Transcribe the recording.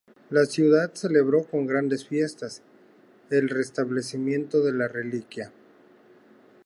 La ciudad celebró con grandes fiestas el restablecimiento de la reliquia.